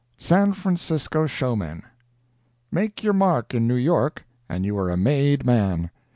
SAN FRANCISCO SHOWMEN Make your mark in New York, and you are a made man.